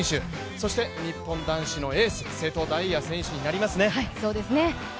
そして日本男子のエース・瀬戸大也選手になりますね。